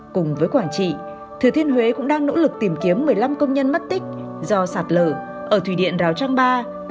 cùng với quảng trị thừa thiên huế cũng đang nỗ lực tìm kiếm một mươi năm công nhân mất tích do sạt lở ở thủy điện rào trang ba